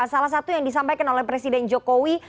salah satu yang disampaikan oleh presiden jokowi